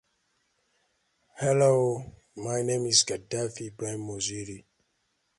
The river Bosna flows through this town.